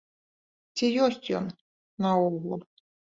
Ці ёсць ён наогул?